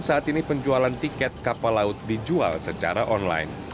saat ini penjualan tiket kapal laut dijual secara online